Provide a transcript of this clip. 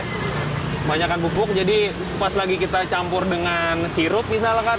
kebanyakan pupuk jadi pas lagi kita campur dengan sirup misalkan